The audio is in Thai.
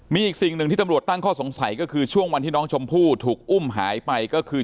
มีอีกสิ่งหนึ่งที่ตำรวจตั้งข้อสงสัยก็คือช่วงวันที่น้องชมพู่ถูกอุ้มหายไปก็คือ